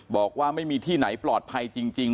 บอกว่าไม่มีที่ไหนปลอดภัยจริง